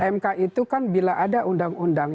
mk itu kan bila ada undang undang